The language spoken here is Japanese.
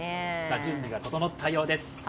準備が整ったようです。